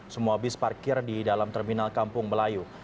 semua bis parkir di dalam terminal kampung melayu